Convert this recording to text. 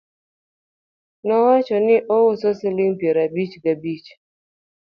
nowacho ni ouso siling piero abirio ga bich